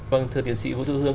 vâng thưa tiến sĩ vũ thư hương